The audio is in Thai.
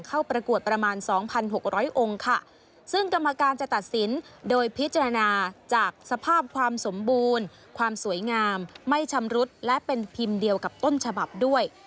ประกวดประมาณ๒๖๐๐องค์ค่ะซึ่งกรรมการจะตัดสินโดยพิจารณาจากสภาพความสมบูรณ์ความสวยงามไม่ชำรุดและเป็นพิมพ์เดียวกับต้นฉบับด้วย